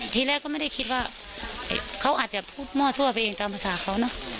ทีแรกก็ไม่ได้คิดว่าเขาอาจจะพูดมั่วทั่วไปเองตามภาษาเขาเนอะ